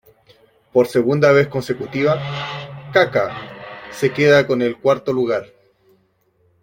Por segunda vez consecutiva, Kaká se queda con el cuarto lugar.